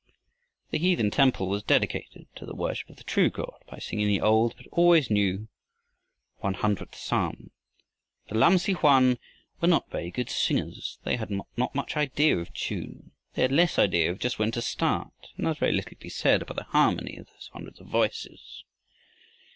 The heathen temple was dedicated to the worship of the true God by singing the old but always new, one hundredth Psalm. The Lam si hoan were not very good singers. They had not much idea of tune. They had less idea of just when to start, and there was very little to be said about the harmony of those hundreds of voices.